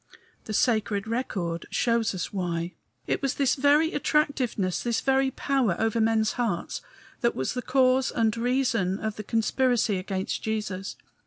The sacred record shows us why. It was this very attractiveness, this very power over men's hearts, that was the cause and reason of the conspiracy against Jesus.